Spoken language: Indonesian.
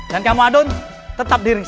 dan kamu adun tetap di ring satu